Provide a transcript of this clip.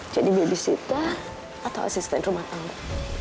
jadi babysitter atau asisten rumah tangga